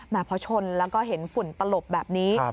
พอชนแล้วก็เห็นฝุ่นตลบแบบนี้